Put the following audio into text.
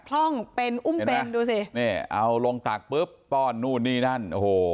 ท่องเป็นอุ้มเป็นดูสินี่เอาลงตักปุ๊บป้อนนู่นนี่นั่นโอ้โห